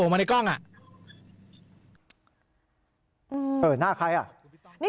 ไม่คือ